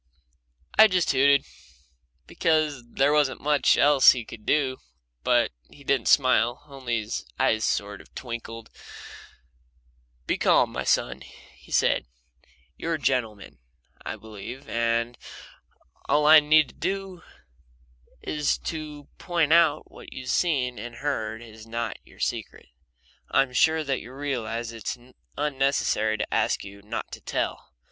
I just hooted, because there wasn't much else he could do. But he didn't smile, only his eyes sort of twinkled. "Be calm, my son," he said. "You're a gentleman, I believe, and all I need do is to point out that what you've seen and heard is not your secret. I'm sure you realize that it's unnecessary to ask you not to tell.